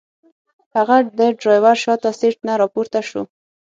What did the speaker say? هغه د ډرایور شاته سیټ نه راپورته شو.